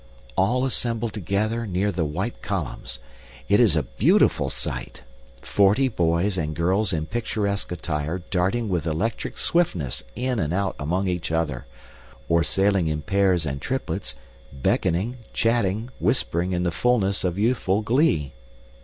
All assembled together near the white columns. It is a beautiful sight. Forty boys and girls in picturesque attire darting with electric swiftness in and out among each other, or sailing in pairs and triplets, beckoning, chatting, whispering in the fullness of youthful glee.